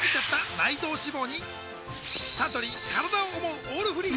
サントリー「からだを想うオールフリー」